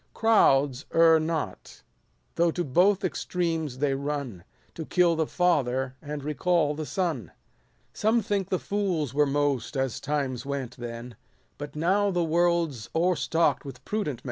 Crowds err not, though to both extremes they run ; To kill the father, and recall the son. 100 Some think the fools were most, as times went then, But now the world 's o'erstock'd with prudent men.